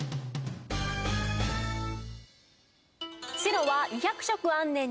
白は２００色あんねん。